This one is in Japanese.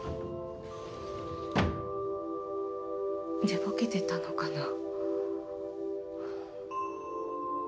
寝ぼけてたのかな？